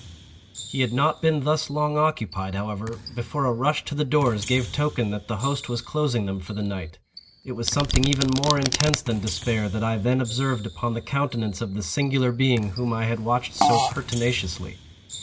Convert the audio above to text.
He had not been thus long occupied, however, before a rush to the doors gave token that the host was closing them for the night. It was something even more intense than despair that I then observed upon the countenance of the singular being whom I had watched so pertinaciously.